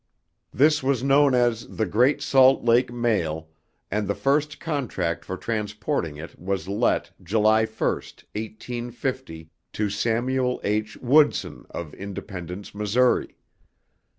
This was known as the "Great Salt Lake Mail," and the first contract for transporting it was let July 1, 1850, to Samuel H. Woodson of Independence, Missouri.